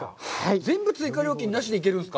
全部追加料金なしでいけるんですか？